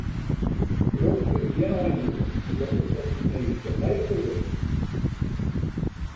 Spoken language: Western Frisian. Lok is gjin eindoel, lok is op syn heechst in byprodukt.